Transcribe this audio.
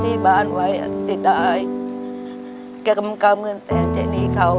ที่บ้านไว้สิดายแกกำกำกำเงินแสนใช้หนี้เขา